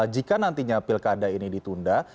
jika nantinya pilkada ini ditunda